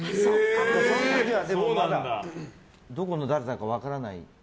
その時は、まだどこの誰だか分からない。